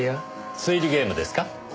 推理ゲームですか？